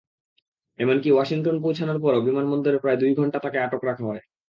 এমনকি ওয়াশিংটন পৌঁছানোর পরও বিমানবন্দরে প্রায় দুই ঘণ্টা তাঁকে আটক রাখা হয়।